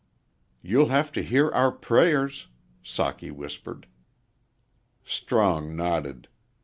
"You'll have to hear our prayers," Socky whispered. Strong nodded.